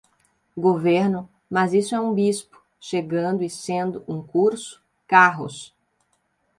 governo, mas isso é um bispo, chegando, e sendo, um curso, carros